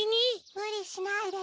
むりしないでいい。